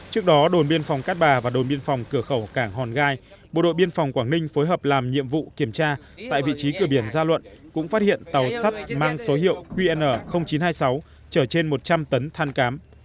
trước đó đồn biên phòng cát bà và đồn biên phòng cửa khẩu cảng hòn gai bộ đội biên phòng quảng ninh phối hợp làm nhiệm vụ kiểm tra tại vị trí cửa biển gia luận cũng phát hiện tàu sắt mang số hiệu qn chín trăm hai mươi sáu chở trên một trăm linh tấn than cám